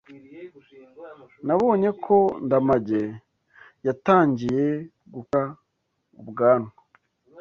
Nabonye ko Ndamage yatangiye gukura ubwanwa.